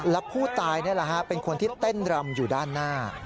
และผู้ตายนี่แหละฮะเป็นคนที่เต้นรำอยู่ด้านหน้า